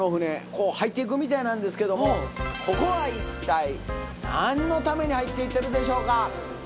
こう入っていくみたいなんですけどもここは一体何のために入っていってるでしょうか？